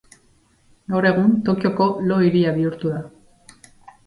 Gaur egun Tokioko lo-hiria bihurtu da.